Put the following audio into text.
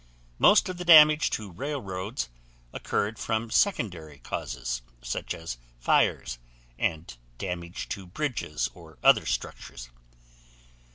Most of the damage to railroads occurred from secondary causes, such as fires and damage to bridges or other structures.